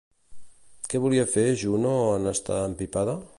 Què volia fer Juno en estar empipada?